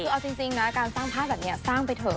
คือเอาจริงนะการสร้างภาพแบบนี้สร้างไปเถอะ